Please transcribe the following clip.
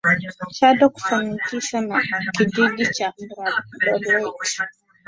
Chato kufananishwa na kijiji cha Gbadolite